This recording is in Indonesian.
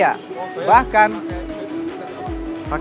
bagaimana cara menggunakan uang elektronik